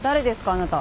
あなた。